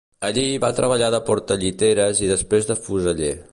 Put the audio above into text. Allí, va treballar de portalliteres i després de fuseller.